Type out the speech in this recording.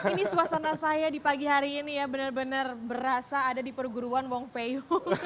ini suasana saya di pagi hari ini ya benar benar berasa ada di perguruan wong feu